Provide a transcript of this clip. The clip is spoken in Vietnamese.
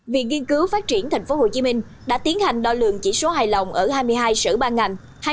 viện nghiên cứu phát triển tp hcm đã tiến hành đo lượng chỉ số hài lòng ở hai mươi hai sở ban ngành